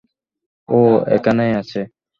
ও এখানেই আছে।